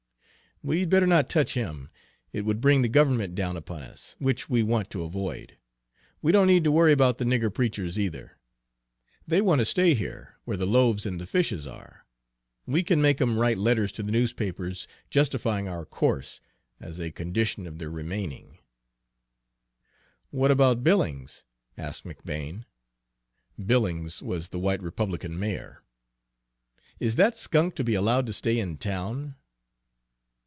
"We'd better not touch him. It would bring the government down upon us, which we want to avoid. We don't need to worry about the nigger preachers either. They want to stay here, where the loaves and the fishes are. We can make 'em write letters to the newspapers justifying our course, as a condition of their remaining." "What about Billings?" asked McBane. Billings was the white Republican mayor. "Is that skunk to be allowed to stay in town?"